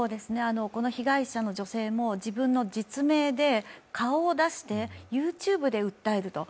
この被害者の女性も、自分の実名で顔を出してＹｏｕＴｕｂｅで訴えると。